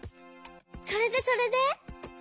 それでそれで？